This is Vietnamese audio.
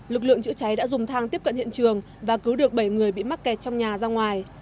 lực lượng chữa cháy đã dùng thang tiếp cận hiện trường và cứu được bảy người bị mắc kẹt trong nhà ra ngoài